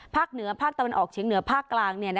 เหนือภาคตะวันออกเฉียงเหนือภาคกลาง